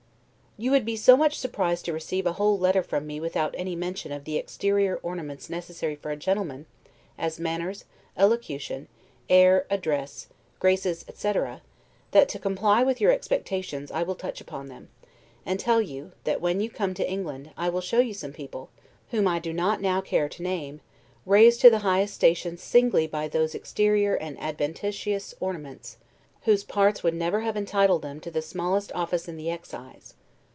You would be so much surprised to receive a whole letter from me without any mention of the exterior ornaments necessary for a gentleman, as manners, elocution, air, address, graces, etc., that, to comply with your expectations, I will touch upon them; and tell you, that when you come to England, I will show you some people, whom I do not now care to name, raised to the highest stations singly by those exterior and adventitious ornaments, whose parts would never have entitled them to the smallest office in the excise.